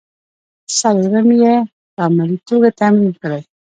څلورم یې په عملي توګه تمرین کړئ.